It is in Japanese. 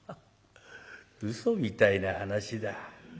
うそみたいな話だ。